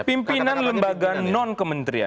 pimpinan lembaga non kementerian